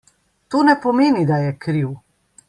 To ne pomeni, da je kriv.